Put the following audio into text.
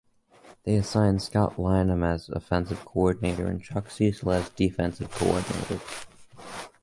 They assign Scott Linehan as offensive coordinator and Chuck Cecil as defensive coordinator.